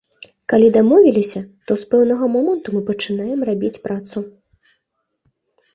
Калі дамовіліся, то з пэўнага моманту мы пачынаем рабіць працу.